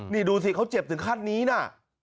นี่ดูสิเขาเจ็บถึงขั้นนี้นะ